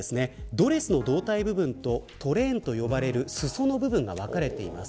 ドレスの胴体部分とトレーンと呼ばれている裾の部分が分かれています。